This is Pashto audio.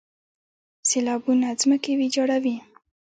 سیلابونه ځمکې ویجاړوي.